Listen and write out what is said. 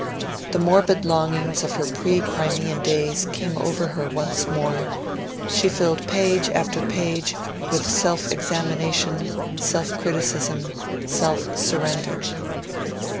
The morbid longings of her pre Crimean days came over her once more; she filled page after page with self examination, self criticism, self surrender.